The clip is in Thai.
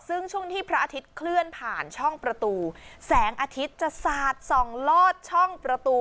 ซึ่งช่วงที่พระอาทิตย์เคลื่อนผ่านช่องประตูแสงอาทิตย์จะสาดส่องลอดช่องประตู